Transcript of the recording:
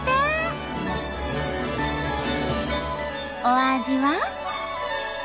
お味は？